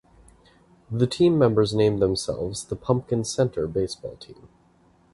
The team members named themselves the "Pumpkin Center" baseball team.